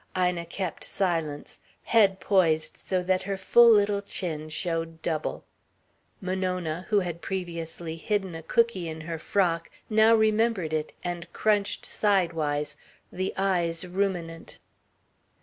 Ina kept silence, head poised so that her full little chin showed double. Monona, who had previously hidden a cooky in her frock, now remembered it and crunched sidewise, the eyes ruminant.